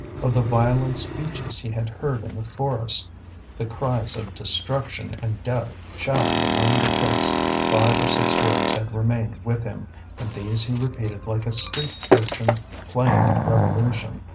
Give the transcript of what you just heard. Of the violent speeches he had heard in the forest, the cries of destruction and death shouted among the pits, five or six words had remained with him, and these he repeated like a street urchin playing at revolution.